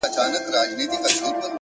ته چیري تللی یې اشنا او زندګي چیري ده ـ